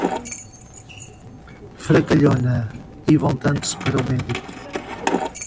Fracalhona! E voltando-se para o médico: